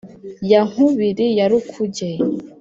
ya nkubiri ya rukuge